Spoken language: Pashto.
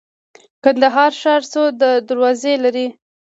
کندهار ښار څو دروازې لري؟